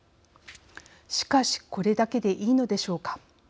しかしこれだけでいいのでしょうか。